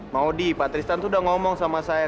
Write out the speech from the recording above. maudie pak tristan tuh udah ngomong sama saya